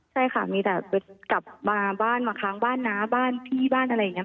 ใช่ค่ะมีแต่กลับมาบ้านมาค้างบ้านน้าบ้านพี่บ้านอะไรอย่างนี้